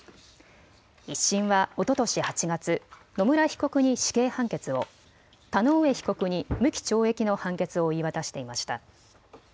１審はおととし８月、野村被告に死刑判決を、田上被告に無期懲役の判決を言い渡していました。